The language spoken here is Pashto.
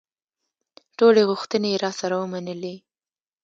ټولې غوښتنې یې راسره ومنلې.